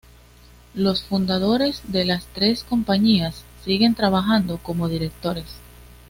Los fundadores de las tres compañías siguen trabajando como directores.